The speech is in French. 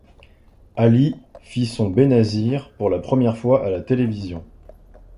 Ali fit son Benazir pour la première fois à la télévision.